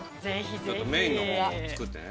ちょっとメインのほうも作ってね。